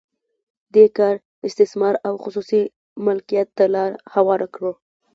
دې کار استثمار او خصوصي مالکیت ته لار هواره کړه.